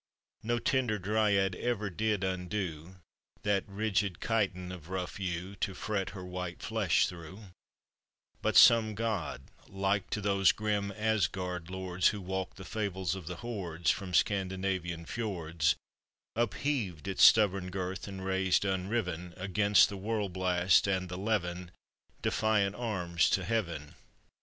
No tender Dryad ever did indue That rigid chiton of rough yew, To fret her white flesh through: But some god, like to those grim Asgard lords Who walk the fables of the hordes From Scandinavian fjords, Upheaved its stubborn girth, and raised unriven, Against the whirl blast and the levin, Defiant arms to Heaven.